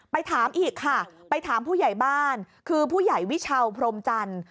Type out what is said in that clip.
ถามอีกค่ะไปถามผู้ใหญ่บ้านคือผู้ใหญ่วิชาวพรมจันทร์